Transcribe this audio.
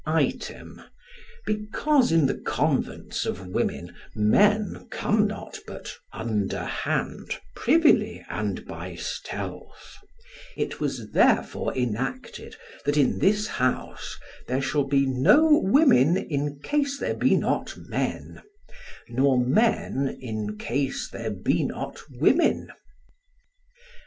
Item, Because in the convents of women men come not but underhand, privily, and by stealth, it was therefore enacted that in this house there shall be no women in case there be not men, nor men in case there be not women.